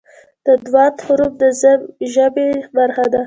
د "ض" حرف د ژبې برخه ده.